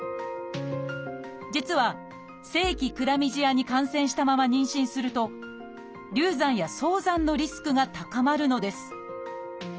実は性器クラミジアに感染したまま妊娠すると流産や早産のリスクが高まるのです。